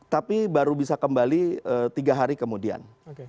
tapi baru bisa kembali tiga hari kemudian